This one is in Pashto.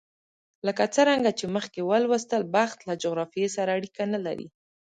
لکه څرنګه چې مخکې ولوستل، بخت له جغرافیې سره اړیکه نه لري.